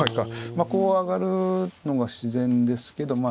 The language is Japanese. まあこう上がるのが自然ですけどま